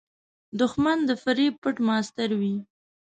دښمن د فریب پټ ماسټر وي